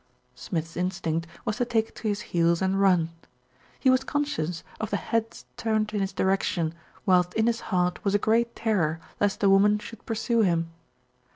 Smith's instinct was to take to his heels and run. He was conscious of the heads turned in his direction, whilst in his heart was a great terror lest the woman should pursue him.